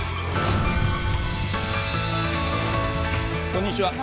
こんにちは。